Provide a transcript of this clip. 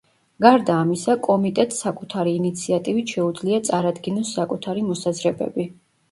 გარდა ამისა, კომიტეტს საკუთარი ინიციატივით შეუძლია წარადგინოს საკუთარი მოსაზრებები.